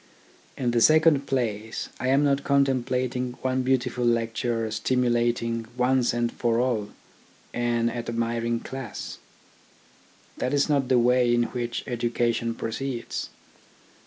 In the second place, I am not contemplating one beautiful lecture stimulating, once and for all, an admiring class. That is not the way in which education proceeds'.